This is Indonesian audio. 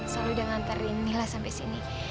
selalu jangan nganterin mila sampai sini